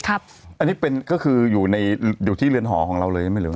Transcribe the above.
อันนี้คืออยู่ที่เรือนหอของเราเลยไหม